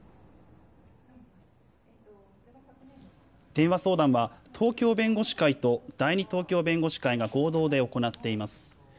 電話相談は東京弁護士会と第二東京弁護士会が合同で行っています。